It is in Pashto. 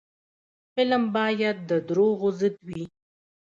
فلم باید د دروغو ضد وي